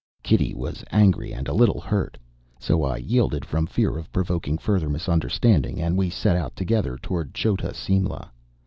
Kitty was angry and a little hurt: so I yielded from fear of provoking further misunderstanding, and we set out together toward Chota Simla.